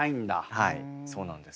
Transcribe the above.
はいそうなんです。